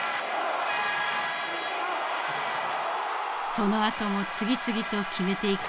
そのあとも次々と決めていく。